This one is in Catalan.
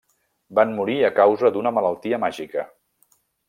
Van morir a causa d'una malaltia màgica.